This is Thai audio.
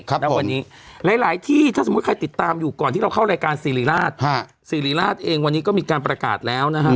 ณวันนี้หลายที่ถ้าสมมุติใครติดตามอยู่ก่อนที่เราเข้ารายการสิริราชสิริราชเองวันนี้ก็มีการประกาศแล้วนะฮะ